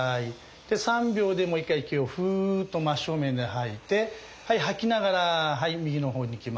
３秒でもう一回息をフーッと真正面で吐いて吐きながら右の方にいきます。